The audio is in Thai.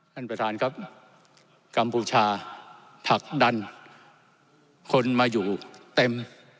ท่านประธานครับกัมพูชาผลักดันคนมาอยู่เต็ม